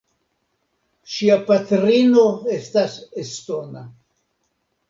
Ŝia patrino estas estona.